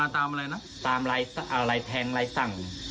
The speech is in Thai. ตามลายแทงลายสั่ง